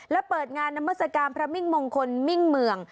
และเปิดงานนามัศกาลพระมิ่งมงคลมิ่งเมือง